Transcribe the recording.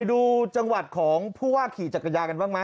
ดูจังหวัดของผู้ว่าขี่จักรยานกันบ้างไหม